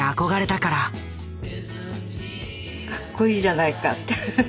かっこいいじゃないかって。